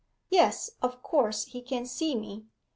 'Yes, of course he can see me.